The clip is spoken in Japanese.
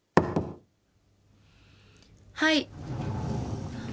はい。